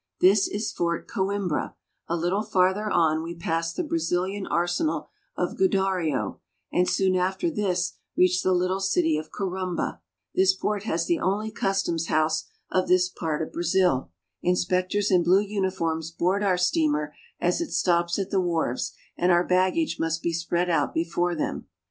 This is Fort Co imbra; a little farther on we pass the Brazil ian arsenal of Godario, and soon after this reach the little city of Corumba'. This '"' port has the only "There are thousands of them in these forests." ,,. customs house oi this part of Brazil. Inspectors in blue uniforms board our steamer as it stops at the wharves, and our baggage must be spread out before them.